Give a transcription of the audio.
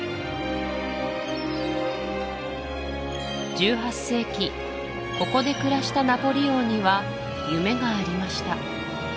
１８世紀ここで暮らしたナポリ王には夢がありました